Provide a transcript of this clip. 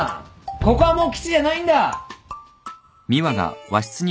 ここはもう基地じゃないんだ。